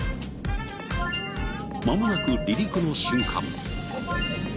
まもなく離陸の瞬間。